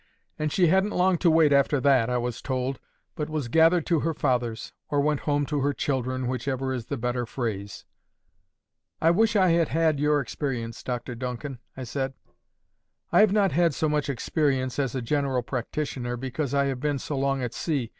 And she hadn't long to wait after that, I was told, but was gathered to her fathers—or went home to her children, whichever is the better phrase." "I wish I had had your experience, Dr Duncan," I said. "I have not had so much experience as a general practitioner, because I have been so long at sea.